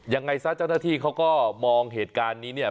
ยังไงซะเจ้าหน้าที่เขาก็มองเหตุการณ์นี้เนี่ย